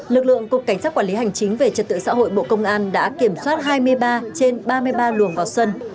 lực lượng cục cảnh sát quản lý hành chính về trật tự xã hội bộ công an đã kiểm soát hai mươi ba trên ba mươi ba luồng vào xuân